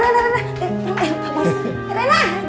rena jangan main main